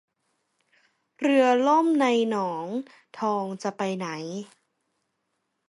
เรือล่มในหนองทองจะไปไหน